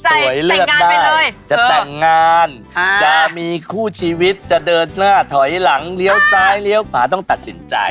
เลือกได้จะแต่งงานจะมีคู่ชีวิตจะเดินหน้าถอยหลังเลี้ยวซ้ายเลี้ยวขวาต้องตัดสินใจ